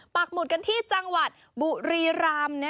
ปักหมุดกันที่จังหวัดบุรีรามนะคะ